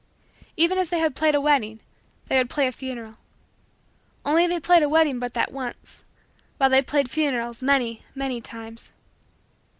Even as they had played a wedding, they would play a funeral. Only, they played a wedding but that once, while they played funerals many, many, times.